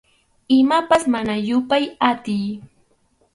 Imapas mana yupay atiy.